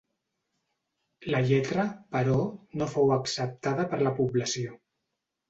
La lletra, però, no fou acceptada per la població.